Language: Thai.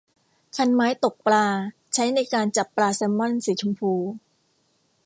คันไม้ตกปลาใช้ในการจับปลาแซลมอนสีชมพู